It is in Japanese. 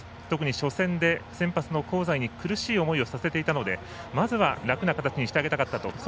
特に初戦で先発の香西に苦しい思いをさせていたのでまずは楽な形にしてあげたかったと。